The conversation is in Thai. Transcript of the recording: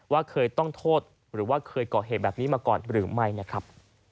ว่าเคยต้องโทษหรือว่าเคยก่อเหตุแบบนี้มาก่อนหรือไม่นะครับ